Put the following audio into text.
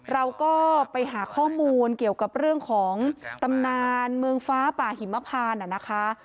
เราก็ไปหาข้อมูลเกี่ยวกับเรื่องของตำนานเมืองฟ้าป่าหิมพานนะคะ